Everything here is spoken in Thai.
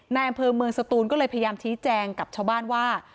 ในอำเภอเมืองสตูนก็เลยพยายามชี้แจงกับชาวบ้านว่า